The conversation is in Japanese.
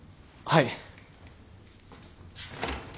はい。